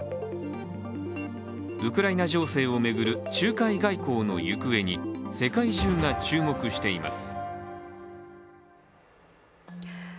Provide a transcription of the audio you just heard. ウクライナ情勢を巡る仲介外交の行方に世界中が注目しています。